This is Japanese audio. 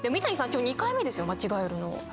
今日２回目ですよ間違えるの。